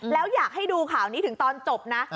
แล้วอยากให้ดูข่าวนี้ถึงตอนจบนะ